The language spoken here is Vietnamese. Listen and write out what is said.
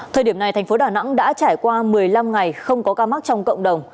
thời điểm này thành phố đà nẵng đã trải qua một mươi năm ngày không có ca mắc trong cộng đồng